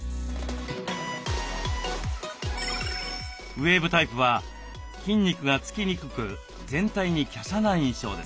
ウエーブタイプは筋肉が付きにくく全体に華奢な印象です。